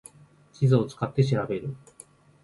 地図を使って調べる